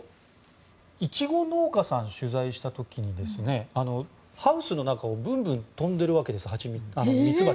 イチゴ農家さんを取材した時にハウスの中をミツバチがぶんぶん飛んでいるわけです。